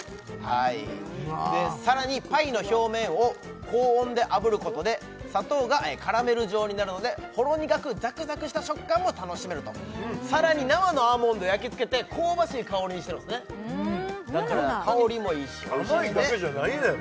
はいさらにパイの表面を高温で炙ることで砂糖がカラメル状になるのでほろ苦くザクザクした食感も楽しめるとさらに生のアーモンドを焼き付けて香ばしい香りにしてるんですねだから香りもいいしあまいだけじゃないねん